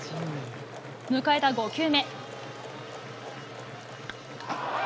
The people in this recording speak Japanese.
迎えた５球目。